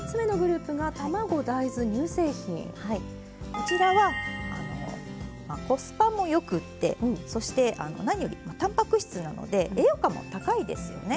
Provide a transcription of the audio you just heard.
こちらはコスパもよくってそして何よりたんぱく質なので栄養価も高いですよね。